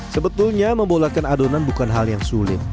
sebetulnya membulatkan adonan bukan hal yang sulit